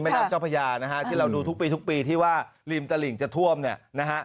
ไม่รับเจ้าพญานะฮะที่เราดูทุกปีทุกปีที่ว่าลิมตะหลิงจะท่วมเนี่ย